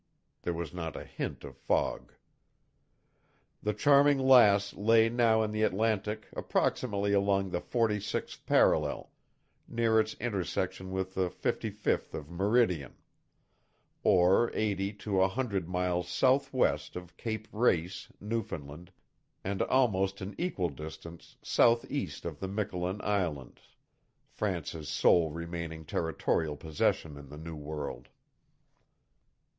There was not a hint of fog. The Charming Lass lay now in the Atlantic approximately along the forty sixth parallel, near its intersection with the fifty fifth of meridian; or eighty to a hundred miles southwest of Cape Race, Newfoundland, and almost an equal distance southeast of the Miquelon Islands, France's sole remaining territorial possession in the New World.